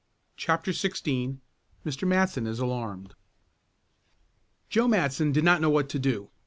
CHAPTER XVI MR. MATSON IS ALARMED Joe Matson did not know what to do.